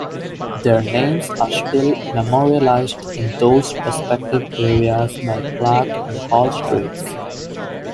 Their names are still memorialized in those respective areas by Clark and Hall Streets.